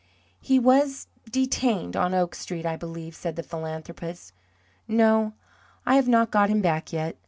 "He was detained on Oak Street, I believe," said the philanthropist. "No, I have not got him back yet.